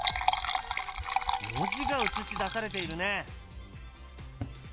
文字が映し出されているね！